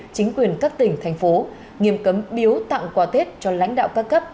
chính quyền các tỉnh thành phố nghiêm cấm biếu tặng quà tết cho lãnh đạo các cấp